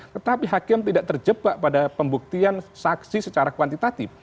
tetapi hakim tidak terjebak pada pembuktian saksi secara kuantitatif